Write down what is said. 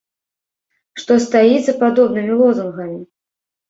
Што стаіць за падобнымі лозунгамі?